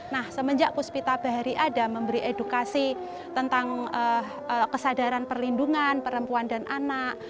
nah semenjak puspita bahari ada memberi edukasi tentang kesadaran perlindungan perempuan dan anak